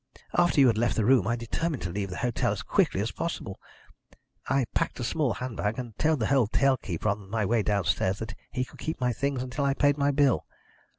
After you had left the room I determined to leave the hotel as quickly as possible. I packed a small handbag, and told the hotel keeper on my way downstairs that he could keep my things until I paid my bill.